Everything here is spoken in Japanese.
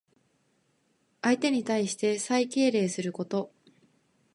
相手に対して最敬礼すること。